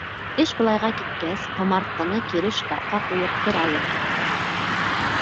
Эш былайға киткәс, ҡомартҡыны кире шкафҡа ҡуйып торайыҡ.